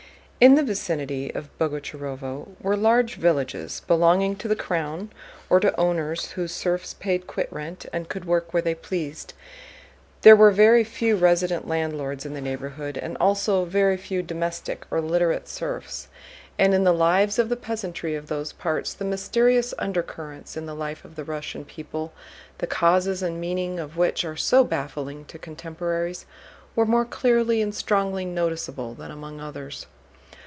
In the vicinity of Boguchárovo were large villages belonging to the crown or to owners whose serfs paid quitrent and could work where they pleased. There were very few resident landlords in the neighborhood and also very few domestic or literate serfs, and in the lives of the peasantry of those parts the mysterious undercurrents in the life of the Russian people, the causes and meaning of which are so baffling to contemporaries, were more clearly and strongly noticeable than among others.